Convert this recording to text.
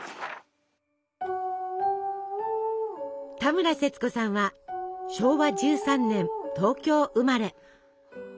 田村セツコさんは昭和１３年東京生まれ。